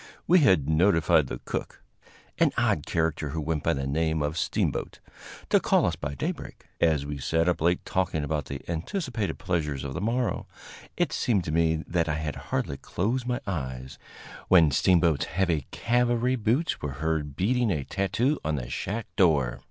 We had notified the cook, an odd character who went by the name of Steamboat, to call us by daybreak. As we sat up late talking about the anticipated pleasures of the morrow, it seemed to me that I had hardly closed my eyes when Steamboat's heavy cavalry boots were heard beating a tattoo on the shack door.